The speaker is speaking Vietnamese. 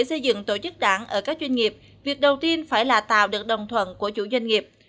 xây dựng tổ chức đảng ở các doanh nghiệp việc đầu tiên phải là tạo được đồng thuận của chủ doanh nghiệp